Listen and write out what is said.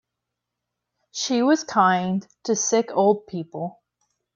She was kind to sick old people.